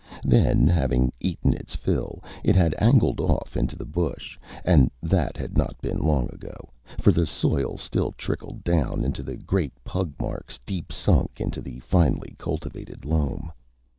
Then, having eaten its fill, it had angled off into the bush and that had not been long ago, for the soil still trickled down into the great pug marks, sunk deep into the finely cultivated loam.